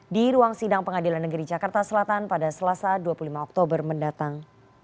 di ruang sidang pengadilan negeri jakarta selatan pada selasa dua puluh lima oktober mendatang